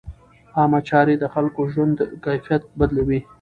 عامه چارې د خلکو د ژوند کیفیت بدلوي.